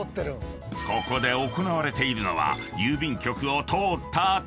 ［ここで行われているのは］